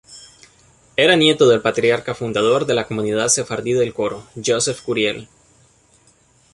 Era nieto del patriarca-fundador de la comunidad sefardí de Coro, Joseph Curiel.